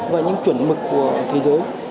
và những chuẩn mực của thế giới